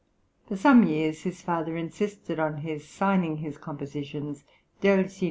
For some years his father insisted on his signing his compositions "Del Sign.